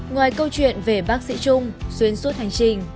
ngoài câu chuyện về bác sĩ trung xuyên suốt hành trình